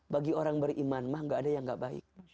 bagi orang beriman mah gak ada yang gak baik